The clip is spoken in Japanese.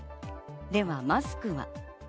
ではマスクは。